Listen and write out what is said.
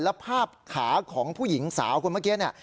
แล้วภาพขาของผู้หญิงสาวคนเมื่อกี้เนี่ย